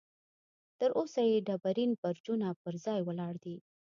تر اوسه یې ډبرین برجونه پر ځای ولاړ دي.